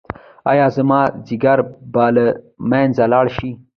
ایا زما ځیګر به له منځه لاړ شي؟